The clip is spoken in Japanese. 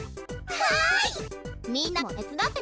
はい。